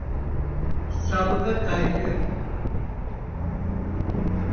Sabıka kaydı yok.